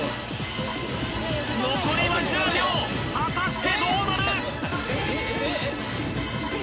残りは１０秒果たしてどうなる？